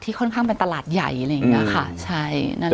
ที่ค่อนข้างเป็นตลาดใหญ่อะไรอย่างเงี้ยค่ะใช่นั่นแหละค่ะ